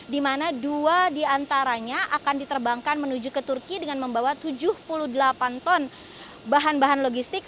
di mana dua diantaranya akan diterbangkan menuju ke turki dengan membawa tujuh puluh delapan ton bahan bahan logistik